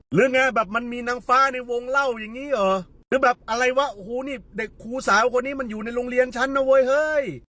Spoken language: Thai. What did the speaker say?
หรือไงแบบมันมีนางฟ้าในวงเล่าอย่างนี้เหรอหรือแบบอะไรวะโอ้โหนี่เด็กครูสาวคนนี้มันอยู่ในโรงเรียนฉันนะเว้ยเฮ้ย